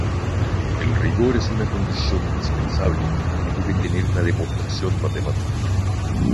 El rigor es una condición indispensable que debe tener una demostración matemática.